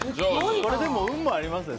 でも運もありますね。